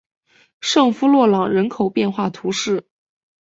圣夫洛朗人口变化图示